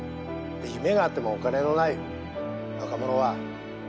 「で夢があってもお金のない若者は」